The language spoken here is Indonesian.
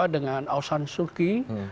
dengan aung san suu kyi